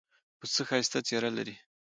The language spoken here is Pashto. پسه ښایسته څېره لري.